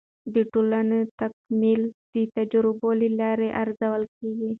د ټولنو تکامل د تجربو له لارې ارزول کیږي.